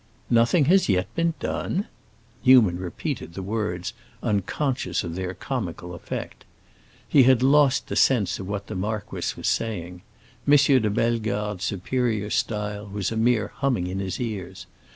"Nothing has yet been done?" Newman repeated the words, unconscious of their comical effect. He had lost the sense of what the marquis was saying; M. de Bellegarde's superior style was a mere humming in his ears.